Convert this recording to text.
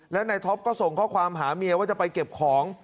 และนายท็อปก็ส่งข้อความหาเมียว่าจะไปเก็บของ